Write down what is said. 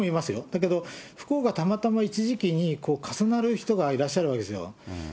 だけど、不幸がたまたま一時期に重なる人がいらっしゃるわけですよ。